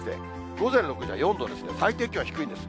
午前６時は４度ですね、最低気温は低いです。